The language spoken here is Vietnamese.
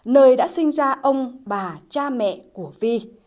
nơi đã sinh ra ông bà cha mẹ của vi